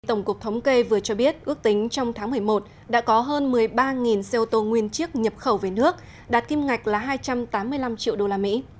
tổng cục thống kê vừa cho biết ước tính trong tháng một mươi một đã có hơn một mươi ba xe ô tô nguyên chiếc nhập khẩu về nước đạt kim ngạch là hai trăm tám mươi năm triệu usd